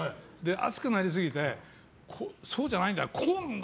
熱くなりすぎてそうじゃないんだよこうなんだ！